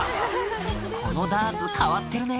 「このダーツ変わってるね」